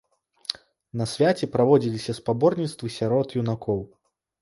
На свяце праводзіліся спаборніцтвы сярод юнакоў.